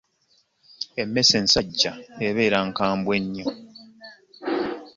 Emmese ensajja ebeera nkambwe nnyo.